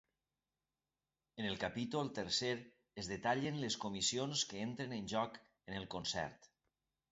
En el capítol tercer es detallen les comissions que entren en joc en el Concert.